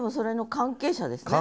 関係者ですね。